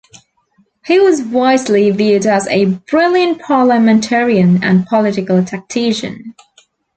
He was widely viewed as a brilliant parliamentarian and political tactician.